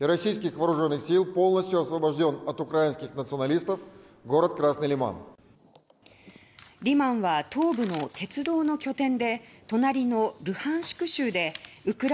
リマンは東部の鉄道の拠点で隣のルハンシク